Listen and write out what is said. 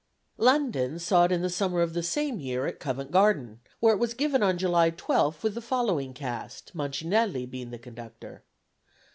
London saw it in the summer of the same year at Covent Garden, where it was given on July 12 with the following cast, Mancinelli being the conductor.